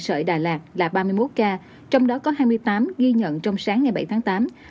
sở đà lạt là ba mươi một ca trong đó có hai mươi tám ghi nhận trong sáng ngày bảy tháng tám